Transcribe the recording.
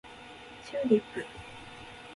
チューリップ